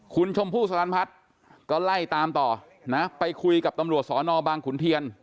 คุณชมพู่สลันพัฒน์ก็ไล่ตามต่อนะไปคุยกับตำรวจสอนอบางขุนเทียน